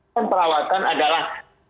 yang perawatan adalah